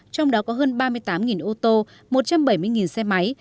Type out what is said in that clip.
trong đó có hơn ba mươi tám ô tô một trăm bảy mươi xe máy